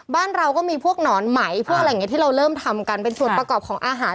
บ้านเราก็มีพวกหนอนไหมพวกอะไรอย่างนี้ที่เราเริ่มทำกันเป็นส่วนประกอบของอาหาร